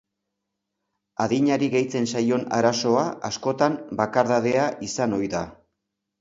Adinari gehitzen zaion arazoa, askotan, bakardadea izan ohi da.